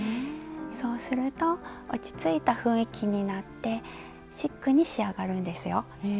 そうすると落ち着いた雰囲気になってシックに仕上がるんですよ。